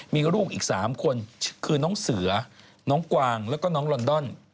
มีลูกอีก๓คนคือน้องเสือน้องกวางแล้วก็น้องลอนดอน